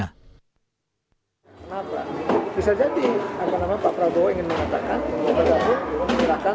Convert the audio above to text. kenapa bisa jadi apa nama pak prabowo ingin mengatakan